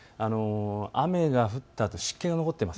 雨が降ったあと湿気が残っています。